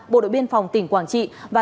bộ đội biên phòng tỉnh quảng trị và